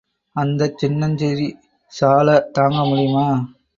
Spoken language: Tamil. அந்தச் சின்னஞ் சிறிசால தாங்க முடியுமா...?